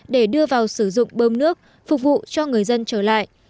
để đưa vào sử dụng bơm nước phục vụ cho người dân trở lại